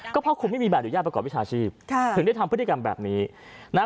ก็เพราะคุณไม่มีใบอนุญาตประกอบวิชาชีพค่ะถึงได้ทำพฤติกรรมแบบนี้นะฮะ